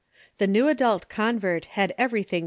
The new adult convert had everything * Isa.